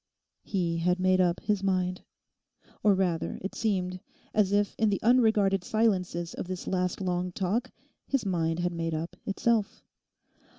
He had made up his mind. Or, rather, it seemed as if in the unregarded silences of this last long talk his mind had made up itself.